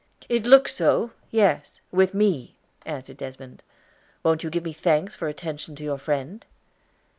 "It looks so. Yes, with me," answered Desmond. "Wont you give me thanks for attention to your friend?"